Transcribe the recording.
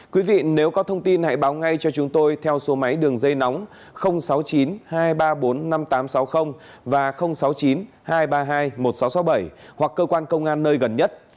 quý vị nếu có thông tin hãy báo ngay cho chúng tôi theo số máy đường dây nóng sáu mươi chín hai trăm ba mươi bốn năm nghìn tám trăm sáu mươi và sáu mươi chín hai trăm ba mươi hai một nghìn sáu trăm sáu mươi bảy hoặc cơ quan công an nơi gần nhất